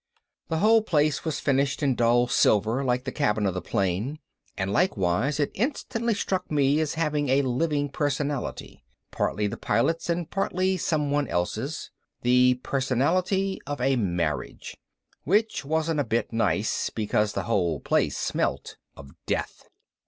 The whole place was finished in dull silver like the cabin of the plane, and likewise it instantly struck me as having a living personality, partly the Pilot's and partly someone else's the personality of a marriage. Which wasn't a bit nice, because the whole place smelt of death.